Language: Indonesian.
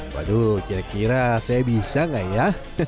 waduh kira kira saya bisa nggak ya